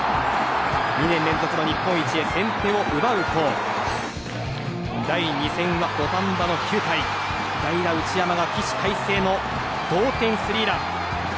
２年連続の日本一へ先手を奪うと第２戦は土壇場の９回代打、内山が起死回生の同点スリーラン。